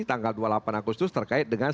tanggal dua puluh delapan agustus terkait dengan